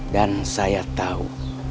dan saya tahu